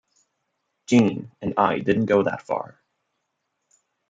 Gene and I didn't go that far.